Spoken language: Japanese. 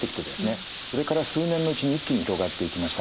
それから数年のうちに一気に広がっていきました。